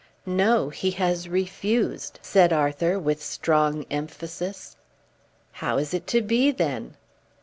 "No. He has refused," said Arthur with strong emphasis. "How is it to be, then?"